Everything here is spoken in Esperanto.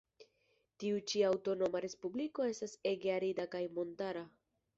Tiu ĉi aŭtonoma respubliko estas ege arida kaj montara.